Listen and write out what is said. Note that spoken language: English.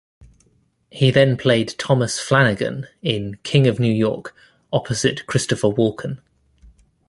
He then played Thomas Flanagan in "King of New York" opposite Christopher Walken.